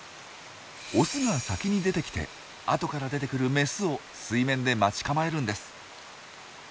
オスが先に出てきて後から出てくるメスを水面で待ち構えるんです。